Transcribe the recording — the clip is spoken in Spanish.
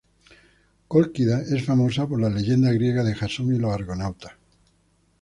Cólquida es famosa por la leyenda griega de Jasón y los argonautas.